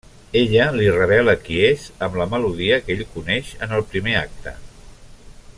Ella li revela qui és amb la melodia que ell coneix en el primer acte.